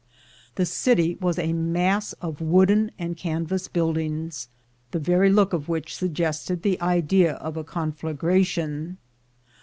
The city was a mass of wooden and canvas build ings, the very look of which suggested the idea of a conflagration.